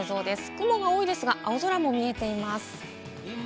雲が多いですが、青空も見えています。